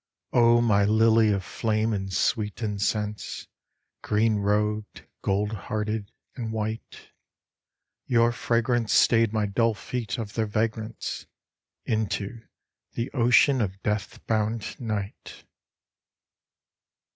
O my lily of flame and sweet incense, Green robed, gold hearted, and white, Your fragrance Stayed my dull feet of their vagrance Into the ocean of death bound Night.